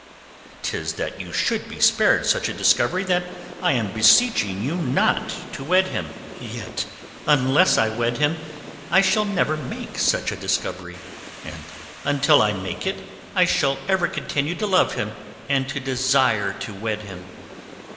"'Tis that you should be spared such a discovery that I am beseeching you not to wed him." "Yet unless I wed him I shall never make such a discovery; and until I make it I shall ever continue to love him and to desire to wed him.